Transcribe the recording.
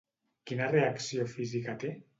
Quina reacció física té?